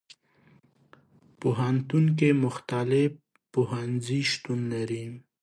پوهنتون کې مختلف پوهنځي شتون لري.